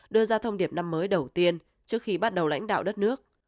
đưa ra thông điệp năm mới đầu tiên trước khi bắt đầu lãnh đạo đất nước